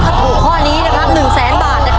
ถ้าถูกข้อนี้นะครับ๑๐๐๐๐๐บาทนะครับ